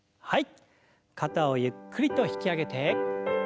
はい。